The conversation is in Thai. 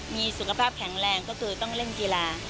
มีสุขภาพแข็งแรงก็คือต้องเล่นกีฬา